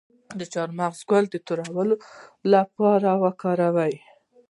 د چارمغز ګل د توروالي لپاره وکاروئ